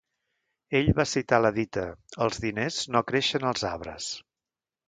Ella va citar la dita: els diners no creixen als arbres.